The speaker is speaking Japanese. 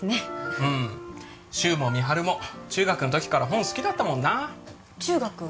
うん柊も美晴も中学の時から本好きだったもんな中学？